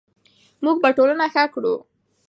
موږ به ټولنه ښه کړو.